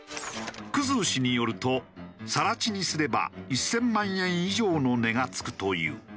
生氏によると更地にすれば１０００万円以上の値が付くという。